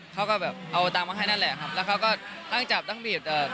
เขาก็แบบเอาตังค์มาให้นั่นแหละครับแล้วเขาก็ตั้งจับตั้งบีบแต่